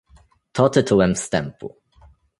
To tytułem wstępu